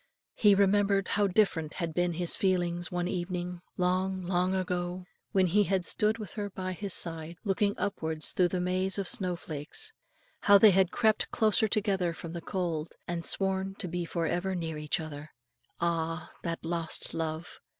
He remembered how different had been his feelings one evening, long, long ago, when he had stood with her by his side, looking upwards through the maze of snow flakes, how they had crept closer together from the cold, and sworn to be for ever near each other. Ah, that lost love!